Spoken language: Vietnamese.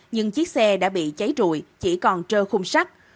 nhưng chiếc xe đã bị cháy rùi chỉ còn trơ khung sắt